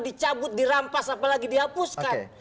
dicabut dirampas apalagi dihapuskan